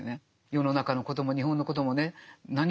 世の中のことも日本のこともね何も語れない。